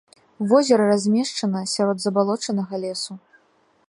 Возера размешчана сярод забалочанага лесу.